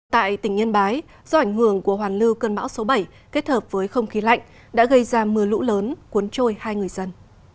tại tỉnh yên bái do ảnh hưởng của hoàn lưu cơn bão số bảy kết hợp với không khí lạnh đã gây ra mưa lũ lớn cuốn trôi hai người dân